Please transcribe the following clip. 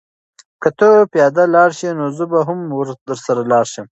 که ته پیاده لاړ شې نو زه به هم درسره لاړ شم.